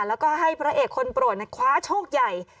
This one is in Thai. แล้วก็ให้พระเอกคนโปรดคว้าโชคใหญ่